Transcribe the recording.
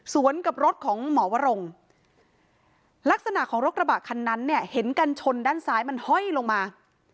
กับรถของหมอวรงลักษณะของรถกระบะคันนั้นเนี่ยเห็นกันชนด้านซ้ายมันห้อยลงมา